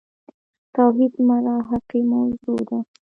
توحيد محراقي موضوع ده.